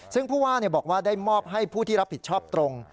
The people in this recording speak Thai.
ซึ่งผู้ว่าบอกว่าได้มอบให้ผู้ที่รับผิดชอบตรง